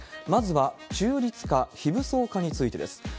まずは中立化、非武装化についてです。